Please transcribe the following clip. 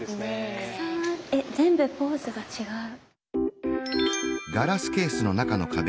えっ全部ポーズが違う。